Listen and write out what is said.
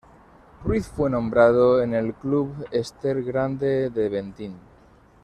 Ruiz fue formado en el club Esther Grande de Bentín.